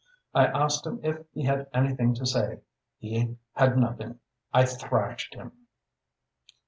I asked him if he had anything to say. He had nothing. I thrashed him."